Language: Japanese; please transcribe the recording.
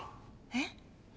えっ？